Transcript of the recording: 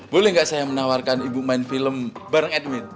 boleh gak saya menawarkan ibu main film bareng edwin